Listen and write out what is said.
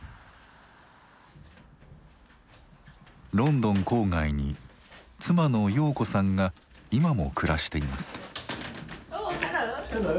ロンドン郊外に妻の瑤子さんが今も暮らしています。